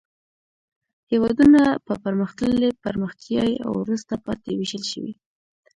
هېوادونه په پرمختللي، پرمختیایي او وروسته پاتې ویشل شوي.